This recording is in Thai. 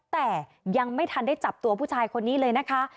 แต่ยังไม่ทันได้จับตัวผู้ชายคนนี้เลยนะคะ